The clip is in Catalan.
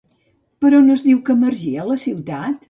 Per on es diu que emergia la ciutat?